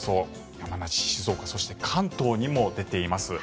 山梨、静岡、そして関東にも出ています。